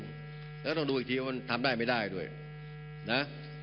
แล้วต้องดูอีกทีว่ามันทำได้ไม่ได้ด้วยนะ